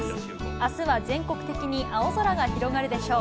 あすは全国的に青空が広がるでしょう。